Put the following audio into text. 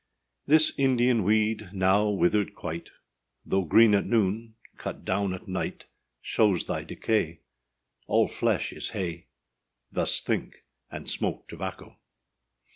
THIS Indian weed, now withered quite, Though green at noon, cut down at night, Shows thy decay; All flesh is hay: Thus think, and smoke tobacco.